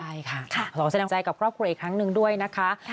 ใช่ค่ะขอแสดงใจกับครอบครัวอีกครั้งหนึ่งด้วยนะคะ